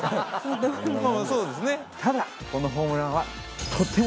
ただこのホームランはとても。